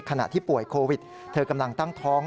ขณะที่ป่วยโควิดเธอกำลังตั้งท้อง